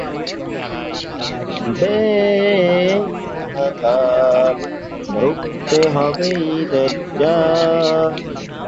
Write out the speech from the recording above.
চলচ্চিত্রটির সঙ্গীত পরিচালনা করেছেন ও গান গেয়েছেন ফরাসি গায়ক মিশেল পোলনারেফ।